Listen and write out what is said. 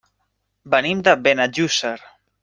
Venim de Benejússer.